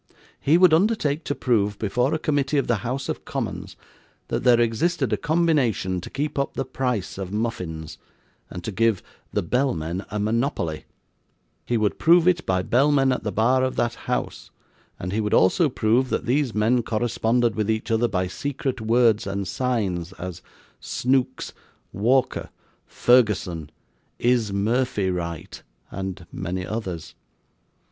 He would undertake to prove before a committee of the House of Commons, that there existed a combination to keep up the price of muffins, and to give the bellmen a monopoly; he would prove it by bellmen at the bar of that House; and he would also prove, that these men corresponded with each other by secret words and signs as 'Snooks,' 'Walker,' 'Ferguson,' 'Is Murphy right?' and many others.